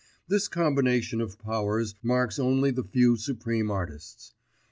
This combination of powers marks only the few supreme artists.